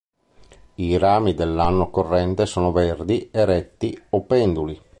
I rami dell'anno corrente sono verdi, eretti o penduli.